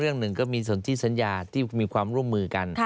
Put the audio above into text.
เรื่องหนึ่งก็มีส่วนที่สัญญาที่มีความร่วมมือกัน